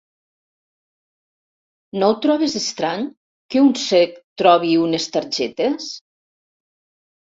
No ho trobes estrany, que un cec trobi unes targetes?